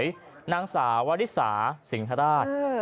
ยกขันบางไปแต่งสาวสวยนางสาววริสาสิงห์ธราช